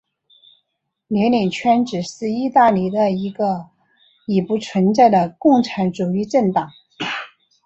列宁圈子是意大利的一个已不存在的共产主义政党。